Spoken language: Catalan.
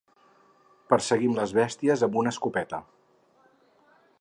Perseguim les bèsties amb una escopeta.